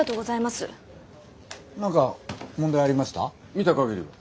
見た限りは。